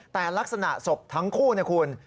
แต่ลักษณะศพทั้งคู่นะคุณ